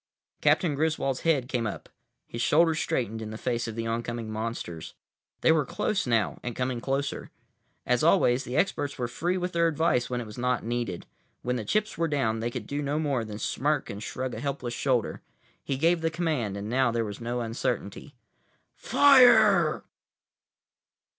Captain Griswold's head came up; his shoulders straightened in the face of the oncoming monsters. They were close now, and coming closer. As always, the experts were free with their advice when it was not needed. When the chips were down, they could do no more than smirk and shrug a helpless shoulder. He gave the command, and now there was no uncertainty. "Fire!"